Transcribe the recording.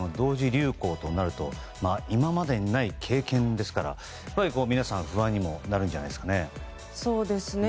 流行となると今までにない経験ですから皆さん、不安にもなるんじゃないですかね。